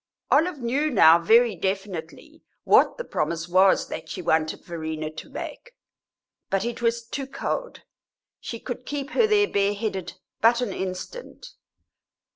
Olive knew now very definitely what the promise was that she wanted Verena to make; but it was too cold, she could keep her there bareheaded but an instant.